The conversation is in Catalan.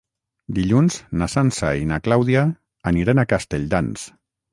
Dilluns na Sança i na Clàudia aniran a Castelldans.